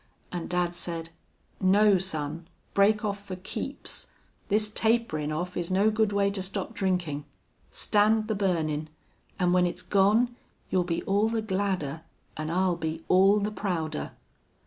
And dad said: 'No, son. Break off for keeps! This taperin' off is no good way to stop drinkin'. Stand the burnin'. An' when it's gone you'll be all the gladder an' I'll be all the prouder.'...